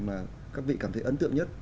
mà các vị cảm thấy ấn tượng nhất